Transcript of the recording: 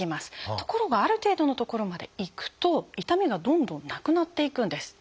ところがある程度のところまでいくと痛みがどんどんなくなっていくんです。